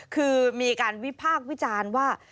คือมีการวิพากษ์วิจารณ์ว่า